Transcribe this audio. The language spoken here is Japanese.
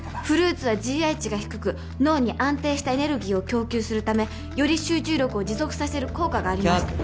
フルーツはＧＩ値が低く脳に安定したエネルギーを供給するためより集中力を持続させる効果があります。